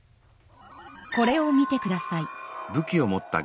これを見てください。